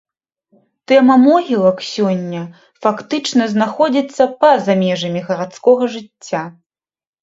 Тэма могілак сёння фактычна знаходзіцца па-за межамі гарадскога жыцця.